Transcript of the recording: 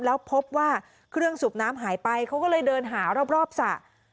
แล้วพบว่าเครื่องสูบน้ำหายไปเขาก็เลยเดินหารอบสระ